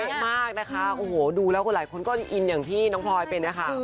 เยอะมากนะคะโอ้โหดูแล้วก็หลายคนก็อินอย่างที่น้องพลอยเป็นนะคะ